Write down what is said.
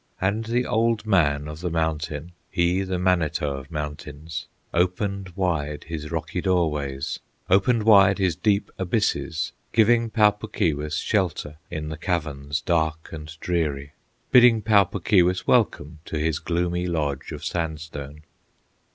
And the Old Man of the Mountain, He the Manito of Mountains, Opened wide his rocky doorways, Opened wide his deep abysses, Giving Pau Puk Keewis shelter In his caverns dark and dreary, Bidding Pau Puk Keewis welcome To his gloomy lodge of sandstone.